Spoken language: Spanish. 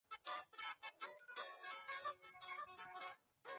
La impresión estuvo a cargo de la "Compañía Sudamericana de Billetes de Banco".